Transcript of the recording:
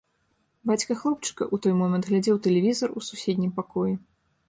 Бацька хлопчыка ў той момант глядзеў тэлевізар у суседнім пакоі.